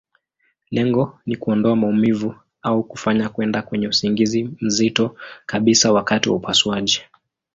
Lengo ni kuondoa maumivu, au kufanya kwenda kwenye usingizi mzito kabisa wakati wa upasuaji.